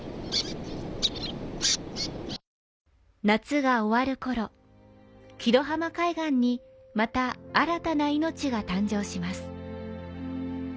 夏が終わるころ、木戸浜海岸にまた新たな命が誕生します。